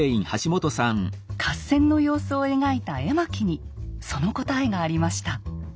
合戦の様子を描いた絵巻にその答えがありました。